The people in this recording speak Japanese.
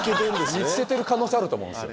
見つけてる可能性あると思うんすよ。